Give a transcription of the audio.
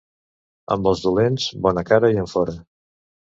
Amb els dolents, bona cara i enfora.